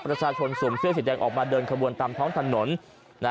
ประชาชนสุ่มเสื้อเสียดแดงออกมาเดินขบวนตามท้องถนน